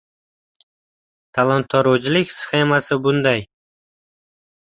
Talon-tarojlik sxemasi bunday.